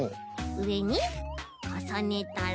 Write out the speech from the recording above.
うえにかさねたら。